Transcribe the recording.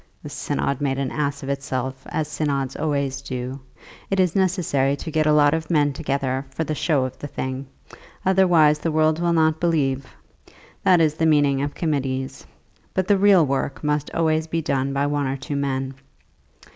"The synod made an ass of itself; as synods always do. It is necessary to get a lot of men together, for the show of the thing, otherwise the world will not believe. That is the meaning of committees. But the real work must always be done by one or two men.